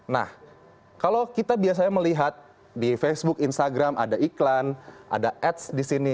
nah kalau kita biasanya melihat di facebook instagram ada iklan ada ads di sini